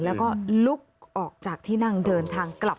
แล้วก็ลุกออกจากที่นั่งเดินทางกลับ